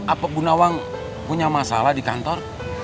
apa gunawang punya masalah di kantor